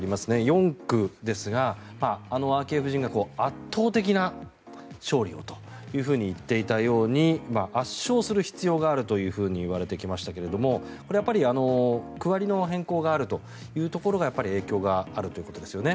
４区ですが、昭恵夫人が圧倒的な勝利をと言っていたように圧勝する必要があるというふうに言われてきましたがこれはやっぱり、区割りの変更があるというところが影響があるということですよね？